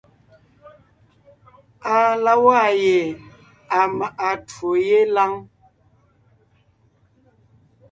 À la waa ye à maʼa twó yé lâŋ.